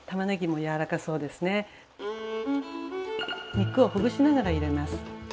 肉をほぐしながら入れます。